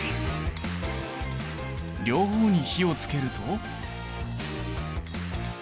両方に火をつけると。